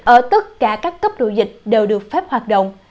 ở tất cả các cấp lụ dịch đều được phép hoạt động